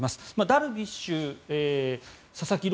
ダルビッシュ、佐々木朗